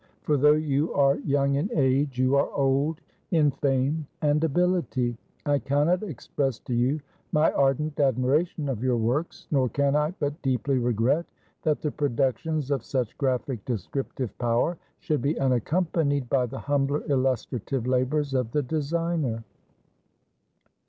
For though you are young in age, you are old in fame and ability. I can not express to you my ardent admiration of your works; nor can I but deeply regret that the productions of such graphic descriptive power, should be unaccompanied by the humbler illustrative labors of the designer.